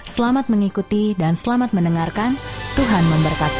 selamat mengikuti dan selamat mendengarkan tuhan memberkati